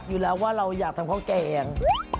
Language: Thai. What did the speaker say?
อยู่แล้วว่าเราอยากทำข้าวแกง